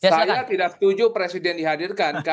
saya tidak setuju presiden dihadirkan